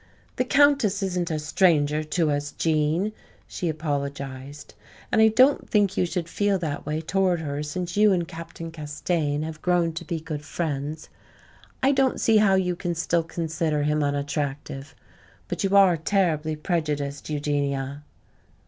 "The Countess isn't a stranger to us, Gene," she apologized, "and I don't think you should feel that way toward her since you and Captain Castaigne have grown to be good friends. I don't see how you can still consider him unattractive. But you are terribly prejudiced, Eugenia."